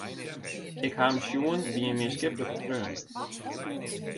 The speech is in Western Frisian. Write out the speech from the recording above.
Ik ha him sjoen by in mienskiplike freon.